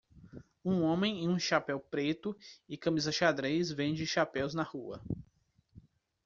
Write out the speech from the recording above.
Um homem em um chapéu preto e camisa xadrez vende chapéus na rua